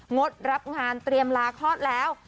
ดรับงานเตรียมลาคลอดแล้ว